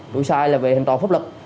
tôi sai là vì hành động pháp luật